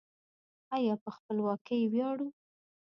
آیا په خپلواکۍ ویاړو؟